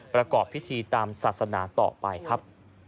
ประกอบพิธีตามศาสนาต่อไปครับ